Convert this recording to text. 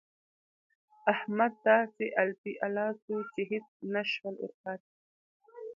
احمد داسې الپی الا سو چې هيڅ نه شول ورپاته.